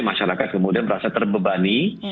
masyarakat kemudian terbebani